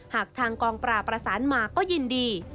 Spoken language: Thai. หากทางกองปราบประสานมาก็ยินดี